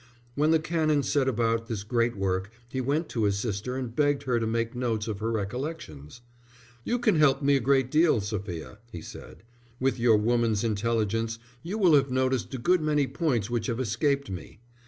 When the Canon set about this great work he went to his sister and begged her to make notes of her recollections. "You can help me a great deal, Sophia," he said. "With your woman's intelligence, you will have noticed a good many points which have escaped me.